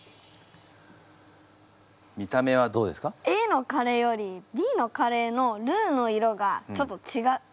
ＡのカレーよりＢのカレーのルーの色がちょっとちがう。